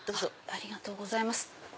ありがとうございます。